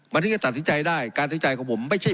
บางทีก็ตัดสินใจได้การสินใจของผมไม่ใช่